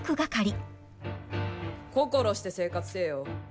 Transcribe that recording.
心して生活せえよ。